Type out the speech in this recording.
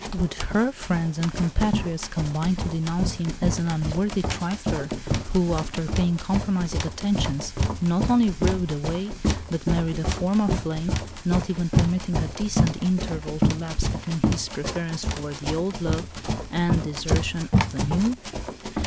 Would her friends and compatriots combine to denounce him as an unworthy trifler, who, after paying compromising attentions, not only "rode away," but married a former flame, not even permitting a decent interval to elapse between his preference for the old love and desertion of the new?